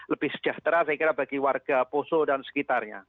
lebih sejahtera saya kira bagi warga poso dan sekitarnya